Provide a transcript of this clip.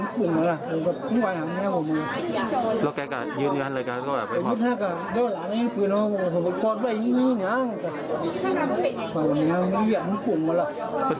กระโพงมาห่วงมันหวังดาวมันให้กระโพงมาได้อยู่บ้านตัวเอง